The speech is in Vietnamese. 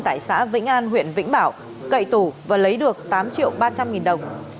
tại xã vĩnh an huyện vĩnh bảo cậy tủ và lấy được tám triệu ba trăm linh nghìn đồng